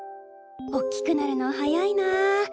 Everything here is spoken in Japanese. おっきくなるの早いなぁ